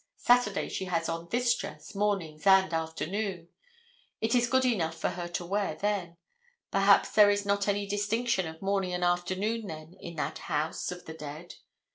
Saturday she has on this dress, mornings and afternoon. It is good enough for her to wear then. Perhaps there is not any distinction of morning and afternoon then in that house of the dead.